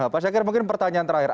pak syakir mungkin pertanyaan terakhir